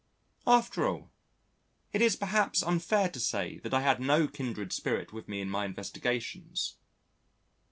After all, it is perhaps unfair to say that I had no kindred spirit with me in my investigations.